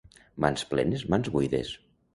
Mans plenes, mans buides.